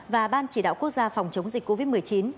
và ban chỉ đạo quốc gia phòng chống dịch covid một mươi chín